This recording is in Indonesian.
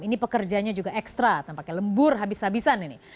ini pekerjanya juga ekstra tanpa kelembur habis habisan ini